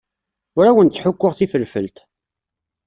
Ur awen-ttḥukkuɣ tifelfelt.